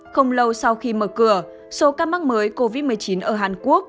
không lâu sau khi mở cửa số ca mắc mới covid một mươi chín ở hàn quốc